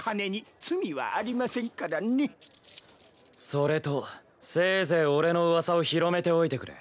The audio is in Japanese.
それとせいぜい俺の噂を広めておいてくれ。